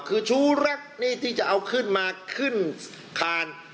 คือชู้รักนี่ที่จะเอาขึ้นมาขึ้นคาน